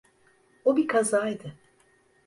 O bir kazaydı.